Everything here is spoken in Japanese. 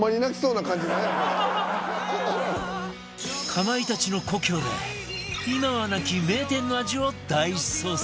かまいたちの故郷で今はなき名店の味を大捜索！